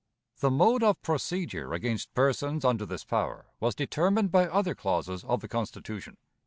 The mode of procedure against persons under this power was determined by other clauses of the Constitution.